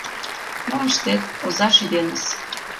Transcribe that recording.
Мом ыштет: оза шӱденыс